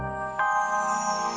tiada masalah coach